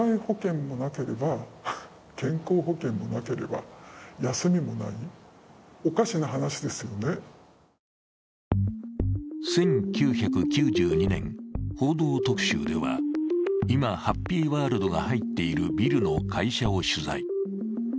だが、実際には１９９２年、「報道特集」では、今、ハッピーワールドが入っているビルの会社を取材。